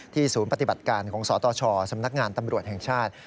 ศูนย์ปฏิบัติการของสตชสำนักงานตำรวจแห่งชาติ